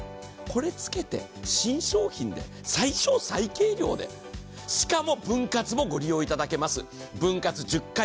これつけて新商品で最小・最軽量で、しかも分割もご利用いただけます。